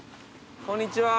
こんにちは！